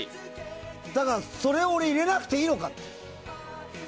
だから、それを俺は入れなくていいのかって。